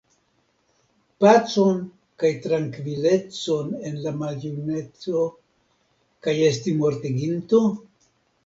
Pacon kaj trankvilecon en la maljuneco kaj esti mortiginto?